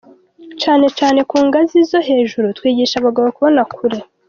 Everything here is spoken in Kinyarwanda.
Cane cane ku ngazi zo hejuru, twigisha abagabo kubona kure.